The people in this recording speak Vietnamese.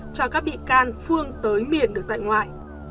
cho các bị can phương tới miền được tại ngoại